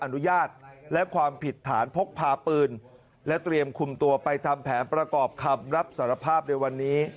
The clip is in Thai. อนุญาตและความผิดฐานพกพาปืนและเตรียมคุมตัวไปทำแผนประกอบคำรับสารภาพในวันนี้